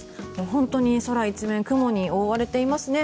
本当に空一面、黒に覆われていますね。